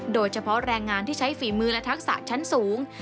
โดยเฉพาะแรงงานที่ใช้ฝีมือและทักษะชั้นสูง